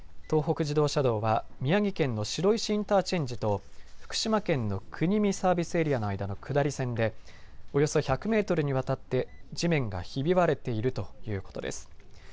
東北自動車道は宮城県の白石インターチェンジと福島県の国見サービスエリアの間の下り線でおよそ１００メートルにわたって地面がひび割れているということです。